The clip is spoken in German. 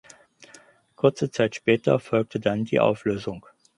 Kurze Zeit später folgte dann die Auflösung.